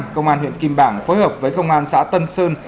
công an huyện kim bảng phối hợp với công an xã tân sơn